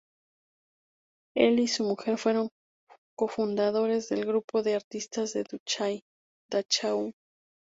Él y su mujer fueron cofundadores del Grupo de artistas de Dachau.